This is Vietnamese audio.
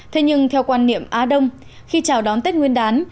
thế nhưng theo quan niệm á đông khi chào đón tết nguyên đán